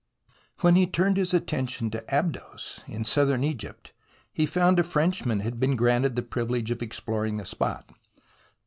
When he turned his attention to Abydos in Southern Egypt, he found a Frenchman had been granted the privilege of exploring the spot.